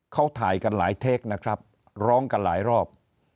เขาถ่ายกันหลายเทคนะครับร้องกันหลายรอบ